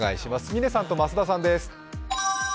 嶺さんと増田さんです。